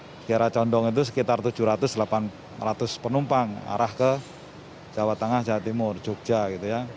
di kiara condong itu sekitar tujuh ratus delapan ratus penumpang arah ke jawa tengah jawa timur jogja gitu ya